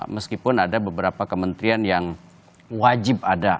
meskipun ada beberapa kementerian yang wajib ada